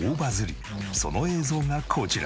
その映像がこちら。